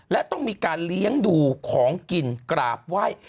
และต้องมีการเลี้ยงดูของกินกราบไหว้